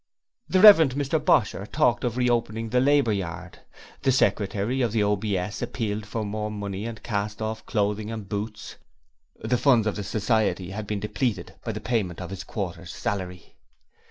The Rev. Mr Bosher talked of reopening the Labour Yard; the secretary of the OBS appealed for more money and cast off clothing and boots the funds of the Society had been depleted by the payment of his quarter's salary.